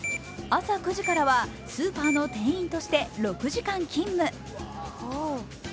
朝９時からは、スーパーの店員として６時間勤務。